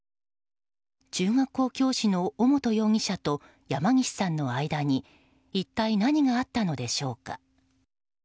中学校教師の尾本容疑者と山岸さんとの間に一体何があったのでしょうか。